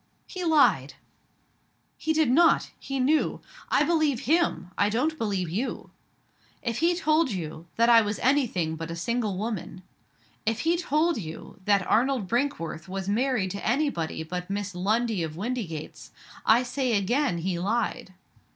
"He lied!" "He did not! He knew. I believe him. I don't believe you." "If he told you that I was any thing but a single woman if he told you that Arnold Brinkworth was married to any body but Miss Lundie of Windygates I say again he lied!"